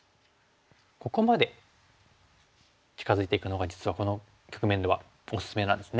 ここまで近づいていくのが実はこの局面ではおすすめなんですね。